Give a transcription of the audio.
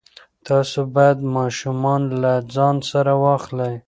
تاسو باید ماشومان له ځان سره واخلئ.